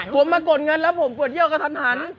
ผมมากดเงินแล้วผมกว่าเยี่ยวก็ทัน